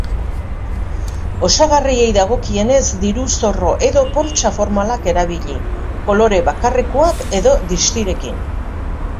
Osagarriei dagokienez, diru-zorro edo poltsa formalak erabili, kolore bakarrekoak edo distirekin.